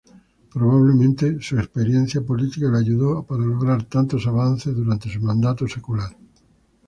Probablemente su experiencia política la ayudó para lograr tantos avances durante su mandato secular.